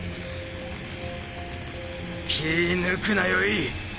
気ぃ抜くなよい。